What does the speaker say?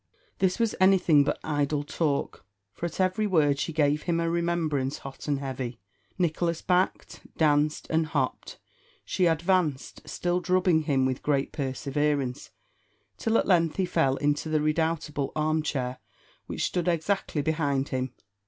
This was anything but idle talk; for at every word she gave him a remembrance, hot and heavy. Nicholas backed, danced, and hopped; she advanced, still drubbing him with great perseverance, till at length he fell into the redoubtable arm chair, which stood exactly behind him.